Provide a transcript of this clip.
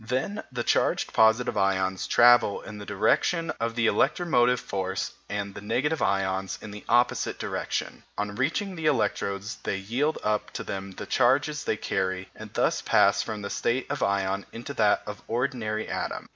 Then the charged positive ions travel in the direction of the electromotive force and the negative ions in the opposite direction. On reaching the electrodes they yield up to them the charges they carry, and thus pass from the state of ion into that of ordinary atom.